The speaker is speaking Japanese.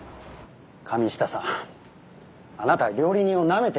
神下さんあなたは料理人をなめてる。